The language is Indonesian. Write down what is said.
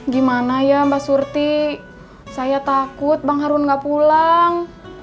gimana ya mbak surti saya takut bang harun gak pulang